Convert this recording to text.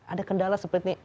ada kendala seperti ini